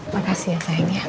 makasih ya sayang ya